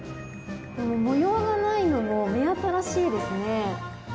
模様がないのも目新しいですね。